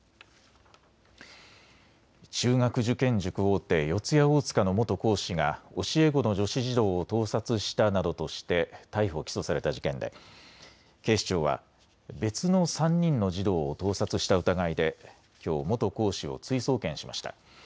中学受験塾大手、四谷大塚の元講師が教え子の女子児童を盗撮したなどとして逮捕・起訴された事件で警視庁は別の３人の児童を盗撮した疑いできょう元講師を追送検しました。